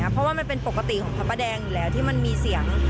เพราะว่ามันเป็นปกติของพระประแดงอยู่แล้วที่มันมีเสียง